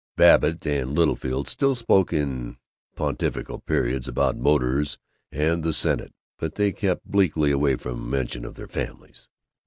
Babbitt and Littlefield still spoke in pontifical periods about motors and the senate, but they kept bleakly away from mention of their families.